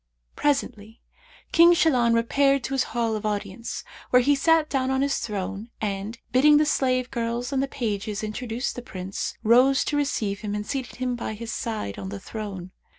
Presently King Shahlan repaired to his hall of audience, where he sat down on his throne and, bidding the slave girls and the pages introduce the Prince, rose to receive him and seated him by his side on the throne.